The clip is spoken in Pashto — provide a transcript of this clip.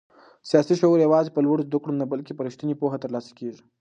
سیاسي شعور یوازې په لوړو زده کړو نه بلکې په رښتینې پوهه ترلاسه کېږي.